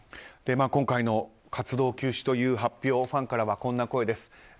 今回の活動休止という発表にファンからはこんな声です。